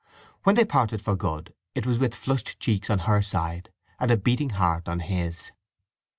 When they parted for good it was with flushed cheeks on her side, and a beating heart on his.